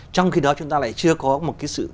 trong khi đó chúng ta lại chưa có một cái sự